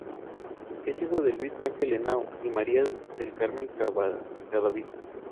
Es hijo de Luis Ángel Henao y María del Carmen Cadavid.